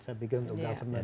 saya pikir untuk government